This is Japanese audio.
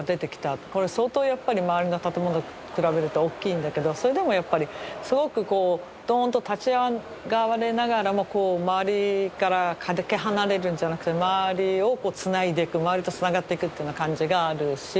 これ相当やっぱり周りの建物比べると大きいんだけどそれでもやっぱりすごくこうドーンと立ち上がりながらもこう周りからかけ離れるんじゃなくて周りをつないでいく周りとつながっていくっていうような感じがあるし。